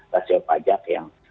rasio pajak yang